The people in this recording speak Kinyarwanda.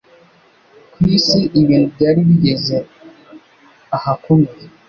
Ku isi, ibintu byari bigeze ahakomeye,